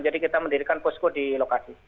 jadi kita mendirikan posko di lokasi